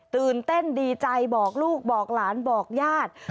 ตื่นเต้นดีใจบอกลูกบอกหลานบอกญาติ